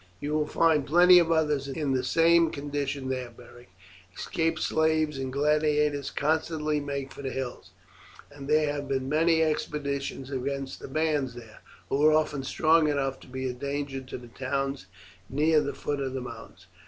"You will find plenty of others in the same condition there, Beric; escaped slaves and gladiators constantly make for the hills, and there have been many expeditions against the bands there, who are often strong enough to be a danger to the towns near the foot of the mountains."